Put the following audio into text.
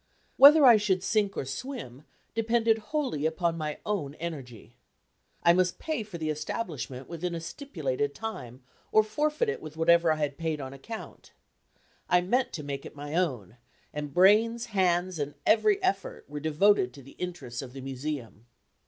Whether I should sink or swim depended wholly upon my own energy. I must pay for the establishment within a stipulated time, or forfeit it with whatever I had paid on account. I meant to make it my own, and brains, hands and every effort were devoted to the interests of the Museum.